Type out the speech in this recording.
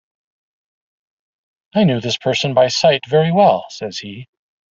"I knew this person by sight very well," says he.